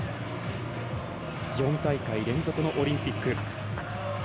４大会連続のオリンピック。